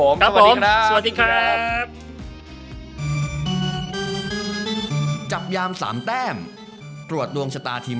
โอเคสำหรับวันนี้ลาไปก่อนครับผม